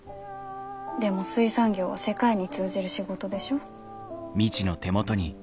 でも水産業は世界に通じる仕事でしょ？